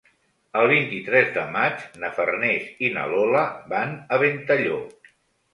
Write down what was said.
El vint-i-tres de maig na Farners i na Lola van a Ventalló.